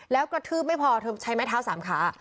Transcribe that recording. แล้วกระทืบไม่พอเธอใช้ไม้เท้าสามขา